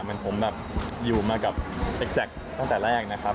มันผมอยู่มากับเอ็กซักตั้งแต่แรกนะครับ